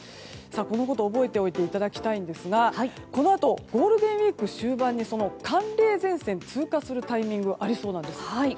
このことを覚えておいていただきたいんですがこのあとゴールデンウィーク終盤に寒冷前線が通過するタイミングがありそうなんです。